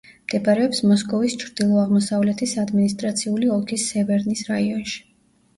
მდებარეობს მოსკოვის ჩრდილო-აღმოსავლეთის ადმინისტრაციული ოლქის სევერნის რაიონში.